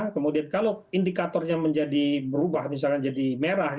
kemudian kalau indikatornya menjadi berubah misalkan jadi merah